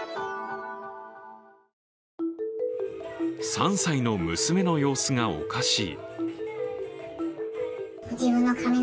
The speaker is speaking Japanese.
３歳の娘の様子がおかしい。